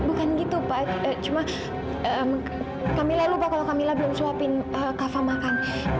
bukan gitu pak cuma kami lupa kalau kami belum suapin kava makan